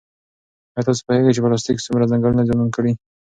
ایا تاسو پوهېږئ چې پلاستیک څومره ځنګلونه زیانمن کړي؟